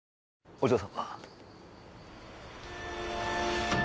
お嬢様。